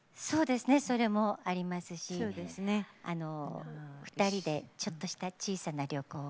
それもありますし２人でちょっとした小さな旅行を。